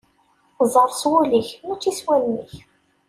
Ẓer s wul-ik mačči s wallen-ik.